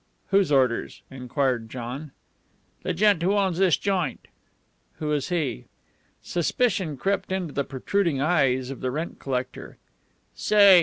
"Whose orders?" enquired John. "The gent who owns this joint." "Who is he?" Suspicion crept into the protruding eyes of the rent collector. "Say!"